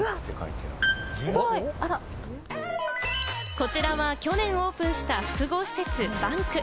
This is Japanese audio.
こちらは去年オープンした複合施設・ＢＡＮＫ。